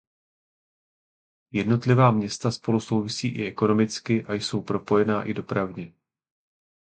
Jednotlivá města spolu souvisí i ekonomicky a jsou propojená i dopravně.